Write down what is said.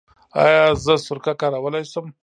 ایا زه سرکه کارولی شم؟